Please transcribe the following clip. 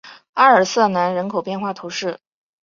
阿尔瑟南人口变化图示